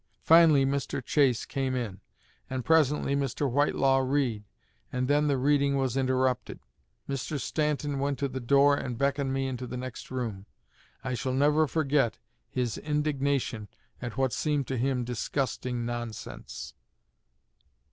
Finally Mr. Chase came in; and presently Mr. Whitelaw Reid, and then the reading was interrupted. Mr. Stanton went to the door and beckoned me into the next room. I shall never forget his indignation at what seemed to him disgusting nonsense."